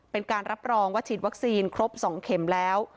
เป็นการรับรองว่าฉีดวัคซีนครบ๒เข็มแล้ว